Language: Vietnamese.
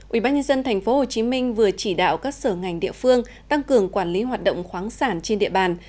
ubnd tp hcm vừa chỉ đạo các sở ngành địa phương tăng cường quản lý hoạt động khoáng sản trên địa bàn